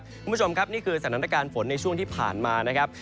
คุณผู้ชมครับนี่คือสถานการณ์ฝนในช่วงที่ผ่านมานะครับ